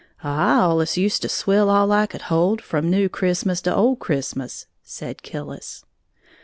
"I allus used to swill all I could hold, from New Christmas to Old Christmas," said Killis.